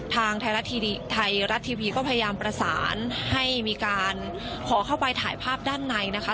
ไทยรัฐทีวีไทยรัฐทีวีก็พยายามประสานให้มีการขอเข้าไปถ่ายภาพด้านในนะคะ